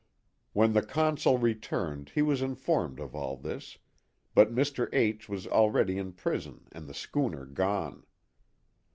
When the Consul returned he was informed of all this ; but Mr. H was already in prison and the schooner gone.